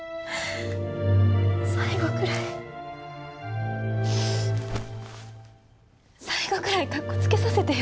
最後くらい最後くらいかっこつけさせてよ。